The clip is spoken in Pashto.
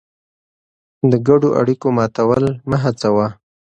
د ګډو اړیکو ماتول مه هڅوه.